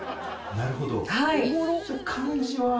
なるほど。